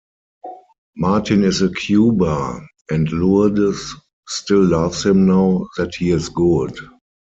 Martin is a "kuba", and Lourdes still loves him now that he is good.